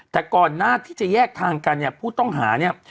แต่ก่อนหน้าที่จะแยกทางกันเนี่ยผู้ต้องหาเนี่ย